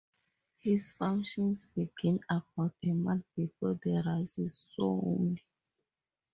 His functions begin about a month before the rice is sown.